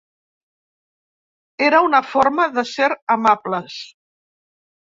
Era una forma de ser amables.